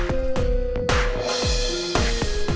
sebentar gak apa apa ya